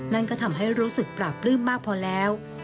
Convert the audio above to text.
นั่นก็ทำให้รู้สึกปราบปลื้มมากพอแล้ว